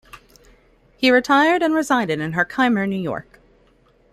He retired and resided in Herkimer, New York.